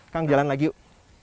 kang jalan lagi yuk